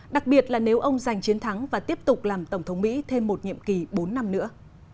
đặc biệt là nếu ông giành chiến thắng và tiếp tục làm tổng thống mỹ thêm một nhiệm kỳ bốn năm nữa